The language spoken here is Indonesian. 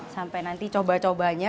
sampai nanti coba cobanya